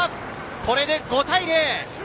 これで５対０。